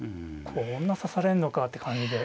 こんな指されんのかって感じで。